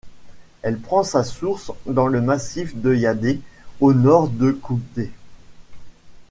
Elle prend sa source dans le massif de Yadé, au nord de Koundé.